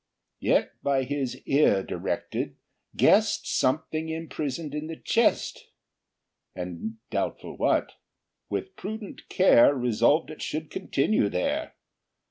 Yet, by his ear directed, guessed Something imprisoned in the chest; And, doubtful what, with prudent care Resolved it should continue there.